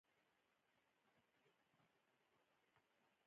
کمې خبرې، لوی اثر لري.